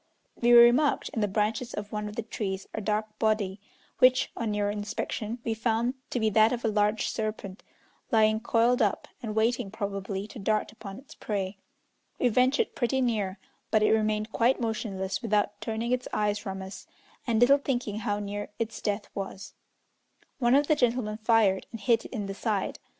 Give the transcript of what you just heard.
We remarked in the branches of one of the trees a dark body, which, on nearer inspection, we found to be that of a large serpent, lying coiled up, and waiting, probably, to dart upon its prey. We ventured pretty near, but it remained quite motionless without turning its eyes from us, and little thinking how near its death was. One of the gentlemen fired, and hit it in the side.